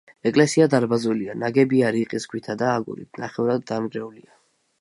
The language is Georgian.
ეკლესია დარბაზულია, ნაგებია რიყის ქვითა და აგურით, ნახევრად დანგრეულია.